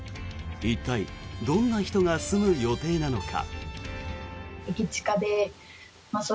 一体、どんな人が住む予定なのか。